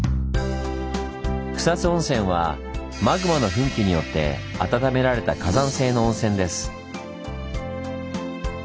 草津温泉はマグマの噴気によって温められた火山性の温泉です。